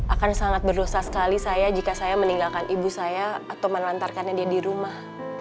akan sangat berdosa sekali saya jika saya meninggalkan ibu saya atau menelantarkannya dia di rumah